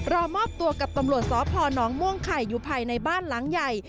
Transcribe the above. รอมอบตัวกับตำรวจสพนม่วงไข่อยู่ภายในบ้านหลังใหญ่